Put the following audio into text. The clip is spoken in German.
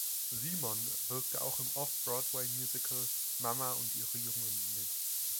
Simon wirkte auch im Off-Broadway-Musical „Mama und ihre Jungen” mit.